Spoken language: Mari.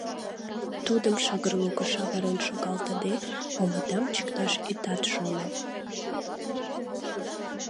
Тудым шыгыр лукыш авырен шогалтыде, омытам чикташ итат шоно.